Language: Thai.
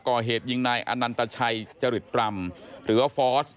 ก่อเหตุยิงนายอนันตชัยจริตรำหรือว่าฟอร์ส